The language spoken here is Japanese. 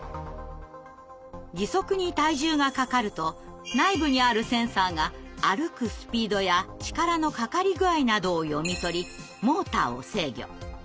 義足に体重がかかると内部にあるセンサーが歩くスピードや力のかかり具合などを読み取りモーターを制御。